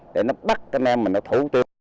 để nó bắt cái nem mà nó thủ tiêu